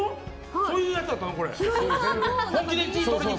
そういうやつだったの、これ。